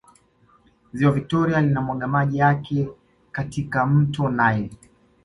ziwa victoria linamwaga maji yake katika mto nile